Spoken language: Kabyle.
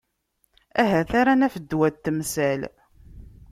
Ahat ara naf ddwa n temsal.